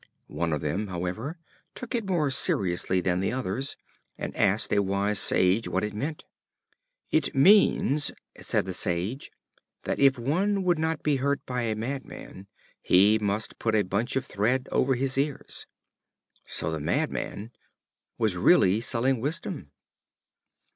One of them, however, took it more seriously than the others, and asked a wise sage what it meant. "It means," said the sage, "that if one would not be hurt by a Madman, he must put a bunch of thread over his ears." So the Madman was really selling Wisdom.